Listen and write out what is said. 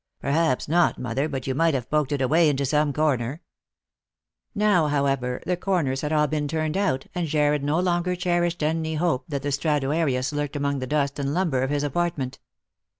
" Perhaps not, mother; but you might have poked it away into some corner." Now, however, the corners had all been turned out, and Lost for Love. 305 Jarred no longer cherished any hope that the Straduarius lurked among the dust and lumber of his apartment.